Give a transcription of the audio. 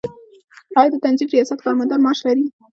آیا د تنظیف ریاست کارمندان معاش لري؟